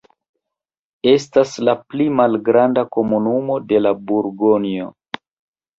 Estas la pli malgranda komunumo de la Burgonjo.